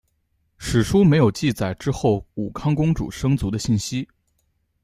史书没有记载之后武康公主生卒的信息。